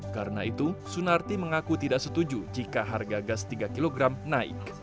karena itu sunarti mengaku tidak setuju jika harga gas tiga kg naik